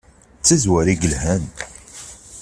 D tazwara i yelhan!